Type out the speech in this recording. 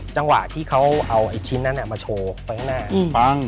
จังหวะที่เค้าเอาไอ้ชิ้นนั้นมาโชว์ไปข้างหน้า